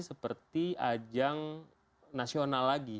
seperti ajang nasional lagi